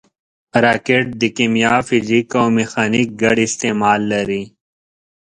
راکټ د کیمیا، فزیک او میخانیک ګډ استعمال لري